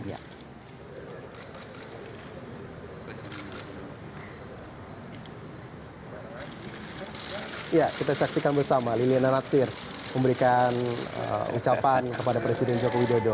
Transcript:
ya kita saksikan bersama liliana natsir memberikan ucapan kepada presiden joko widodo